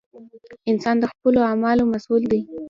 انسان د خپلو اعمالو مسؤول دی!